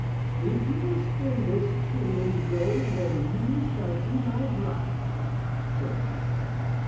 "If you will spin this, too, into gold, then you shall be my bride," said he.